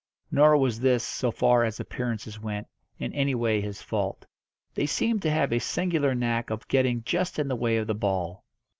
Nor was this, so far as appearances went, in any way his fault; they seemed to have a singular knack of getting just in the way of the ball.